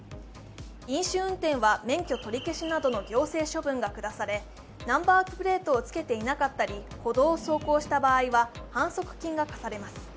飲酒運転は免許取り消しなどの行政処分が科されナンバープレートをつけていなかったり歩道を走行した場合は反則金が科されます。